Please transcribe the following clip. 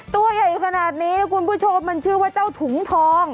ตัวใหญ่ขนาดนี้นะคุณผู้ชมมันชื่อว่าเจ้าถุงทอง